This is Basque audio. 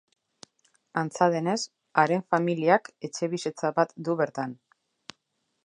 Antza denez, haren familiak etxebizitza bat du bertan.